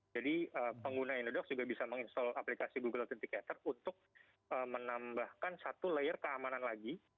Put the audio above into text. jadi pengguna indodoc juga bisa menginstall aplikasi google authenticator untuk menambahkan satu layer keamanan lagi